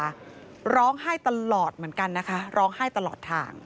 เป็นครั้งแรกที่จะได้พบหน้าลูกชายคุณเล็ก